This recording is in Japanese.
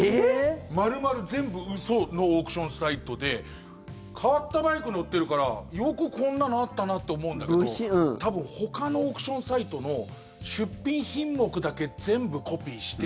丸々全部嘘のオークションサイトで変わったバイク乗ってるからよくこんなのあったなと思うんだけど多分ほかのオークションサイトの出品品目だけ全部コピーして。